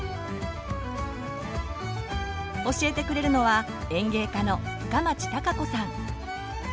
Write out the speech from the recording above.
教えてくれるのは園芸家の深町貴子さん。